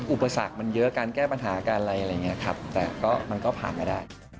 อุปสรรคมันเยอะการแก้ปัญหาการอะไรอะไรอย่างนี้ครับแต่ก็มันก็ผ่านมาได้